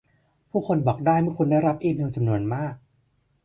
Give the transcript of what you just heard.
ผู้คนบอกได้เมื่อคุณได้รับอีเมลจำนวนมาก